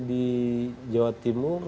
di jawa timur